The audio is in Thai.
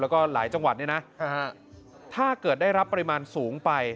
แล้วก็หลายจังหวัดเนี่ยนะถ้าเกิดได้รับปริมาณสูงไป